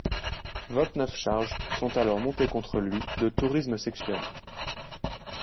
Vingt-neuf charges sont alors montées contre lui de tourisme sexuel.